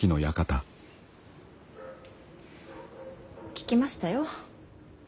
聞きましたよ。